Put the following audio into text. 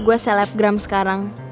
gue selebgram sekarang